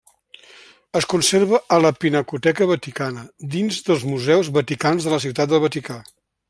Es conserva a la Pinacoteca Vaticana, dins dels Museus Vaticans de la Ciutat del Vaticà.